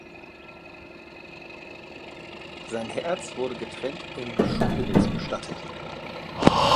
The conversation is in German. Sein Herz wurde getrennt in Chudenitz bestattet.